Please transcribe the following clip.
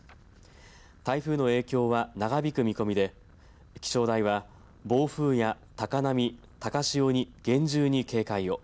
台風の影響は長引く見込みで気象台は暴風や高波、高潮に厳重に警戒を。